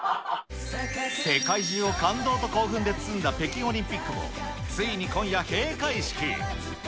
世界中を感動と興奮で包んだ北京オリンピックも、ついに今夜、閉会式。